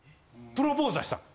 プロポーズはしたん？